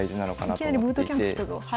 いきなりブートキャンプきたぞ。